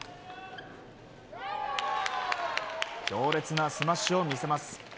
強烈なスマッシュを見せます。